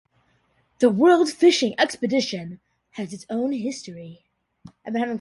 The World Fishing Exhibition has its own history.